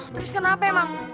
terus kenapa emang